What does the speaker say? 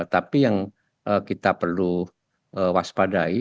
tapi yang kita perlu waspadai